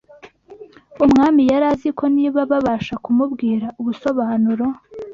Umwami yari azi ko niba babasha kumubwira ubusobanuro